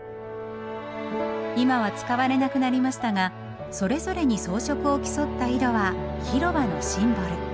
今は使われなくなりましたがそれぞれに装飾を競った井戸は広場のシンボル。